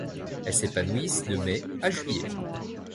Elles s'épanouissent de mai à juillet.